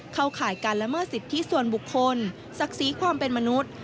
ข่ายการละเมิดสิทธิส่วนบุคคลศักดิ์ศรีความเป็นมนุษย์